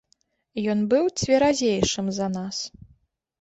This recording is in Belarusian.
Ён быў цверазейшым за нас.